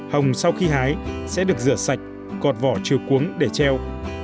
hồng sau khi hái sẽ được rửa sạch gọt vỏ trừ cuống để treo